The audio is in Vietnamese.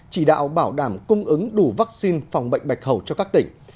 chỉ đạo bảo đảm cung ứng đủ vaccine phòng bệnh bạch hầu cho các tỉnh